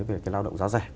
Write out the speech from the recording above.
về cái lao động giá rẻ